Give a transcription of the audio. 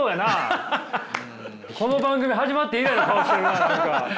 この番組始まって以来の顔してるな何か。